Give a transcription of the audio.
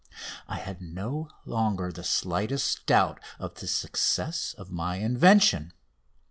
I had no longer the slightest doubt of the success of my invention.